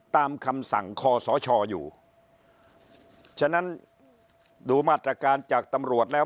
ตามคำสั่งคอสชอยู่ฉะนั้นดูมาตรการจากตำรวจแล้ว